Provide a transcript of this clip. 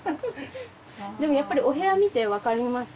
でもやっぱりお部屋見て分かります。